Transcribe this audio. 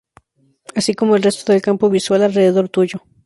Así como el resto del campo visual alrededor tuyo.